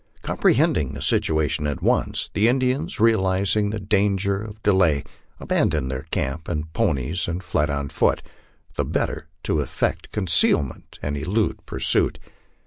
Comprehending the situation at once, the Indians, realizing the dan ger of delay, abandoned their camp and ponies and fled on foot, the better to effect concealment and elude pursuit.